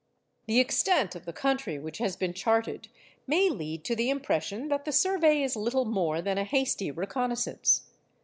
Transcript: The extent of the country which has been charted may lead to the impression that the survey is little more than a hasty reconnaissance.